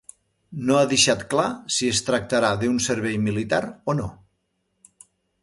No ha deixat clar si es tractarà d'un servei militar o no.